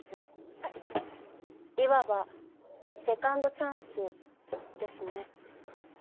いわばセカンドチャンスですね。